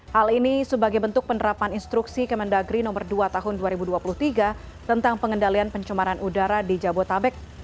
hal ini sebagai bentuk penerapan instruksi kemendagri no dua tahun dua ribu dua puluh tiga tentang pengendalian pencemaran udara di jabotabek